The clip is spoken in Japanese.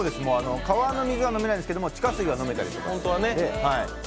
川の水は飲めないですけど地下水は飲めたり。